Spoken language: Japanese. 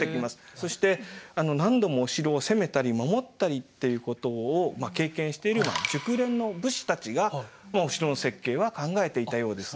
そして何度もお城を攻めたり守ったりっていうことを経験している熟練の武士たちがお城の設計は考えていたようです。